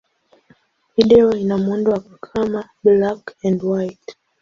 Video ina muundo wa kama black-and-white.